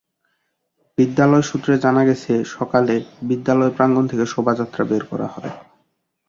বিদ্যালয় সূত্রে জানা গেছে, সকালে বিদ্যালয় প্রাঙ্গণ থেকে শোভাযাত্রা বের করা হয়।